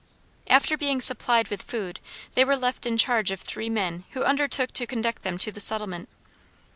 After being supplied with food they were left in charge of three men who undertook to conduct them to the settlement.